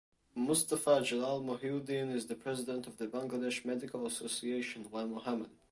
Mustafa Jalal Mohiuddin is the President of the Bangladesh Medical Association while Md.